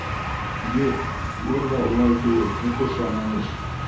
Юҡ, бер ҙә улай түгел, тотош яңылыш!